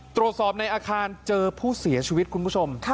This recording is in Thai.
ตรวจสอบในอาคารเจอผู้เสียชีวิตคุณผู้ชม